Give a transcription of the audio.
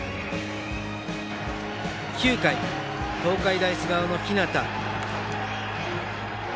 ９回、東海大菅生の日當。